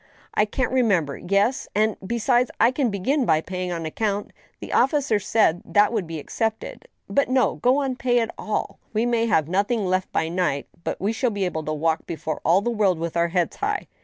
I can't remember. ... Yes. ... And, besides, I can begin by paying on account; the officer said that would be ac cepted, .,. but, no !— ^Go on, pay it all away. We may have noth ing left by night, but we shall be able to walk before all the world with our heads high.